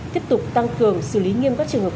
tiếp tục tăng cường xử lý nghiêm các trường hợp